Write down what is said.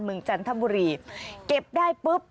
เมืองจันทบุรีเก็บได้ปุ๊บ